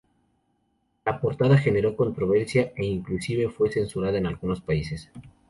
La portada generó controversias e inclusive fue censurada en algunos países.